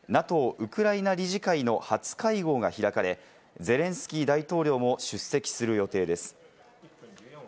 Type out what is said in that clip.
ウクライナ理事会の初会合が開かれ、ゼレンスキー大統領も出席する予定です。